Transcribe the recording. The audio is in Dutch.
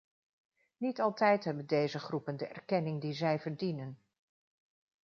Niet altijd hebben deze groepen de erkenning die zij verdienen.